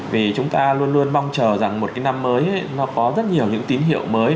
vì chúng ta luôn luôn mong chờ rằng một cái năm mới nó có rất nhiều những tín hiệu mới